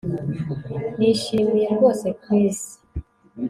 Nishimiye rwose Chris